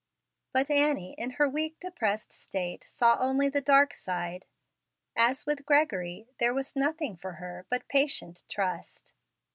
But Annie, in her weak, depressed state, saw only the dark side. As with Gregory there was nothing for her but patient trust.